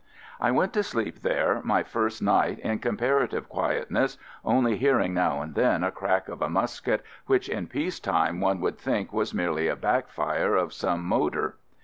I went to sleep there my first night in comparative quiet ness, only hearing now and then a crack of a musket which in peace time one would think was merely a back fire of some motor.